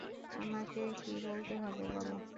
আমাকে কী বলতে হবে বলো?